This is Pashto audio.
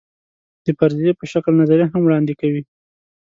د فرضیې په شکل نظریه هم وړاندې کوي.